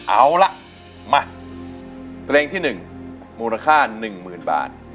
เอาล่ะมาเตรงที่หนึ่งหมูราค่าหนึ่งหมื่นบาท